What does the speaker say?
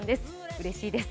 うれしいです。